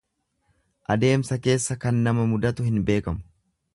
Adeemsa keessa kan nama mudatu hin beekamu.